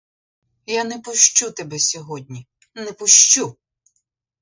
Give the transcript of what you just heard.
Я не пущу тебе сьогодні, не пущу!